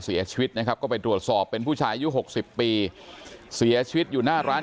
เสียชีวิตนะครับก็ไปตรวจสอบเป็นผู้ชายอายุ๖๐ปีเสียชีวิตอยู่หน้าร้าน